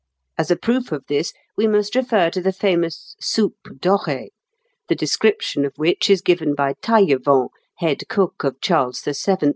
As a proof of this we must refer to the famous soupe dorée, the description of which is given by Taillevent, head cook of Charles VII.